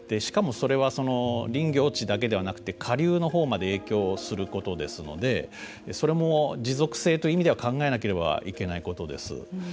それは林業地だけではなくて下流のほうまで影響することですのでそれも持続性という意味では考えないといけないことです。